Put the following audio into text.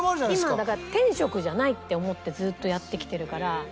今だから天職じゃないと思ってずっとやってきてるから。